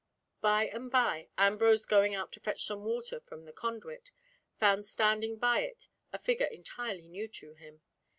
By and by, Ambrose going out to fetch some water from the conduit, found standing by it a figure entirely new to him.